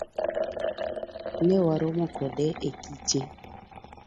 Newaromo kode e kiche.